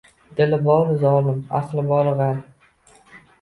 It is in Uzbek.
Dili boru zolim, aqli boru gʻar